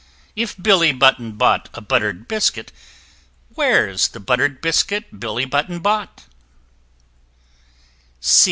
If Billy Button bought a butter'd Biscuit, Where's the butter'd Biscuit Billy Button bought?